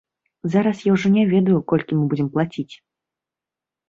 Зараз я ўжо не ведаю, колькі мы будзем плаціць.